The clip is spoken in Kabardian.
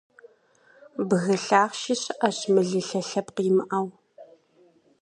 Бгы лъахъши щыӀэщ, мылылъэ лъэпкъ имыӀэу.